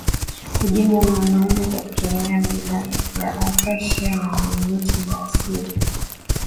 Hujengwa na wanaume kwa kutumia miiba ya acacia ni miti ya asili